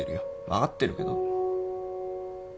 分かってるけど。